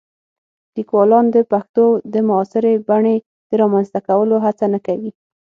لیکوالان د پښتو د معاصرې بڼې د رامنځته کولو هڅه نه کوي.